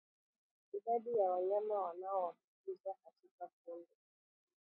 Idadi ya wanyama wanaoambukizwa katika kundi